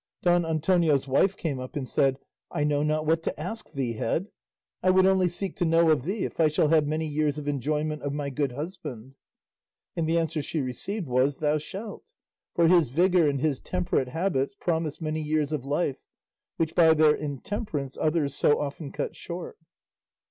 Don Antonio's wife came up and said, "I know not what to ask thee, Head; I would only seek to know of thee if I shall have many years of enjoyment of my good husband;" and the answer she received was, "Thou shalt, for his vigour and his temperate habits promise many years of life, which by their intemperance others so often cut short."